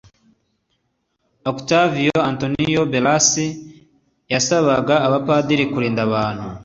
Octavio Antonio Beras yasabaga abapadiri kurinda abantu